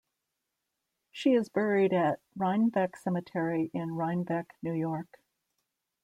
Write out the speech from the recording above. She is buried at Rhinebeck Cemetery in Rhinebeck, New York.